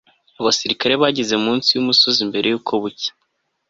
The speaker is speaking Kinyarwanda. abasirikare bageze munsi yumusozi mbere yuko bucya